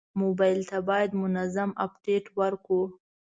موبایل ته باید منظم اپډیټ ورکړو.